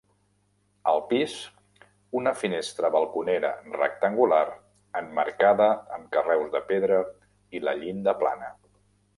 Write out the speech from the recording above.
Al pis, una finestra balconera rectangular emmarcada amb carreus de pedra i la llinda plana.